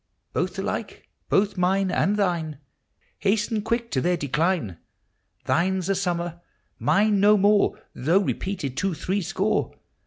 342 POEM 8 OF NATURE. Both alike, both mine and thine, Hasten quick to their decline! Thine's a summer; mine no more, Though repeated to threescore!